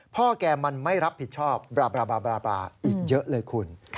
พ่อแกมันไม่รับผิดชอบบราบาอีกเยอะเลยคุณ